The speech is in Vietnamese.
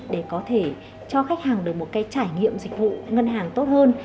để có thể cho khách hàng được một cái trải nghiệm dịch vụ ngân hàng tốt hơn